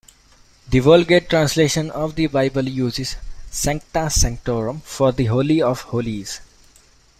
The Vulgate translation of the Bible uses "Sancta sanctorum" for the Holy of Holies.